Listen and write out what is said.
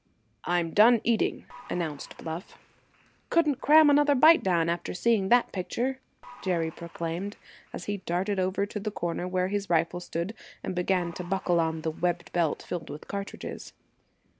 "I'm done eating," announced Bluff. "Couldn't cram another bite down, after seeing that picture!" Jerry proclaimed, as he darted over to the corner where his rifle stood, and began to buckle on the webbed belt filled with cartridges.